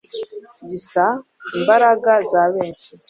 gisaba imbaraga za benshi